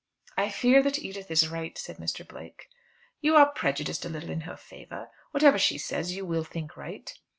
"I fear that Edith is right," said Mr. Blake. "You are prejudiced a little in her favour. Whatever she says you will think right."